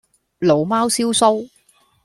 老貓燒鬚